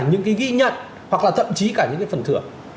những cái ghi nhận hoặc là thậm chí cả những cái phần thưởng